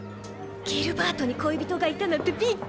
ギルバートに恋人がいたなんてびっくり！